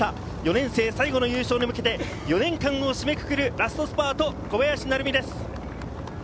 ４年生、最後の優勝に向けて４年間を締めくくるラストスパート、小林成美です。